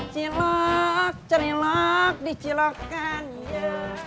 cilok cerilok dicilokkan ya